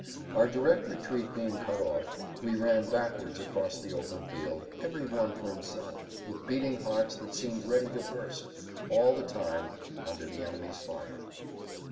Our direct retreat being cut off, we ran backwards across the open field, every one for himself, with beating hearts that seemed ready to burst, all the time under the enemy's fire.